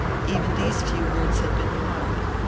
Even these few words had been hard.